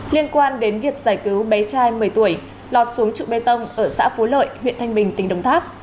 liên quan đến việc giải cứu bé trai một mươi tuổi lọt xuống trụ bê tông ở xã phú lợi huyện thanh bình tỉnh đồng tháp